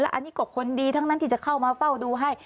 อันนี้ก็คนดีทั้งนั้นที่จะเข้ามาเฝ้าดูให้